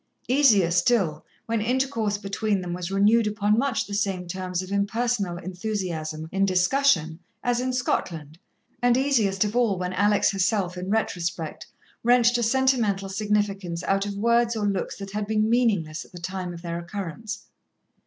Easier still, when intercourse between them was renewed upon much the same terms of impersonal enthusiasm in discussion as in Scotland, and easiest of all when Alex herself, in retrospect, wrenched a sentimental significance out of words or looks that had been meaningless at the time of their occurrence.